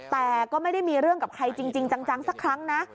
แต่ก็ไม่ได้มีเรื่องกับใครจริงจังสักครั้งนะ